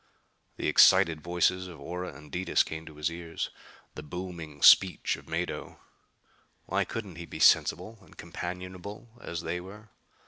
The excited voices of Ora and Detis came to his ears. The booming speech of Mado. Why couldn't he be sensible and companionable as they were?